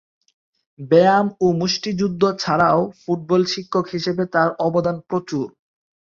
ব্যায়াম ও মুষ্টিযুদ্ধ ছাড়াও ফুটবল শিক্ষক হিসেবে তার অবদান প্রচুর।